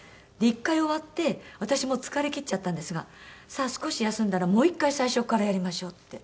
１回終わって私もう疲れきっちゃったんですが「さあ少し休んだらもう１回最初からやりましょう」って。